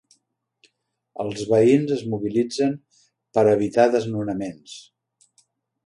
Els veïns es mobilitzen per evitar desnonaments.